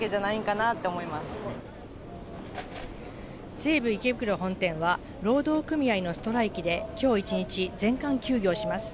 西武池袋本店は労働組合のストライキできょう一日、全館休業します。